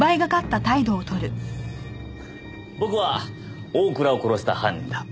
僕は大倉を殺した犯人だ。